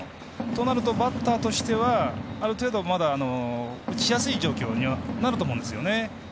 となるとバッターとしてはある程度、打ちやすい状況にはなると思うんですよね。